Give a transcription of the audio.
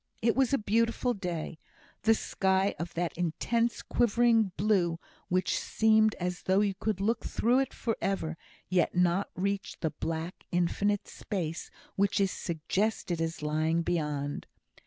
It was a beautiful day; the sky of that intense quivering blue which seemed as though you could look through it for ever, yet not reach the black, infinite space which is suggested as lying beyond.